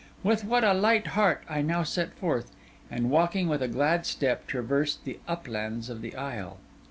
With what a light heart I now set forth, and walking with how glad a step, traversed the uplands of the isle!